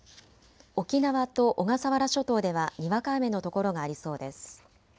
沖縄と小笠原諸島ではにわか雨の所がありそうです。